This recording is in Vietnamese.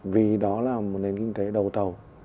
vì đó là một nền kinh tế đầu tàu